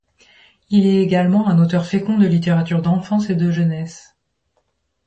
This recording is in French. Il est également un auteur fécond de littérature d'enfance et de jeunesse.